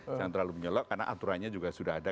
jangan terlalu menyolok karena aturannya juga sudah ada